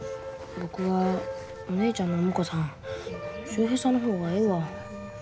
僕はお姉ちゃんのお婿さん秀平さんの方がええわ。